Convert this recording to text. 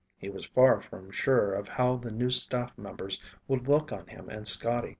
He was far from sure of how the new staff members would look on him and Scotty.